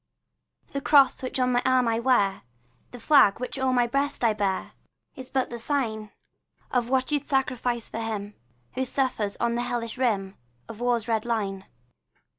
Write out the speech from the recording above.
The cross which on my arm I wear, The flag which o'er my breast I bear, Is but the sign Of what you 'd sacrifice for him Who suffers on the hellish rim Of war's red line.